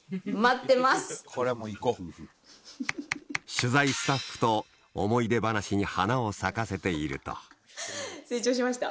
取材スタッフと思い出話に花を咲かせていると成長しました？